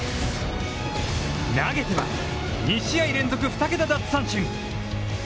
投げては２試合連続２桁奪三振。